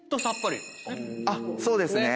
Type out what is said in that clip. そうですね。